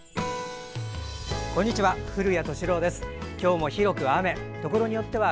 こんにちは。